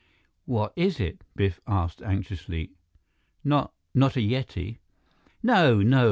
"What is it?" Biff asked anxiously. "Not not a Yeti?" "No, no."